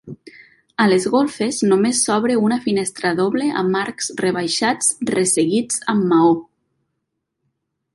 A les golfes només s'obre una finestra doble amb arcs rebaixats resseguits amb maó.